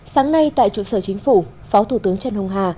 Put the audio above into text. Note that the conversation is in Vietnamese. sáng nay tại trụ sở chính phủ phó thủ tướng trần hùng hà